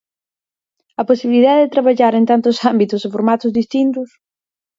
A posibilidade de traballar en tantos ámbitos e formatos distintos.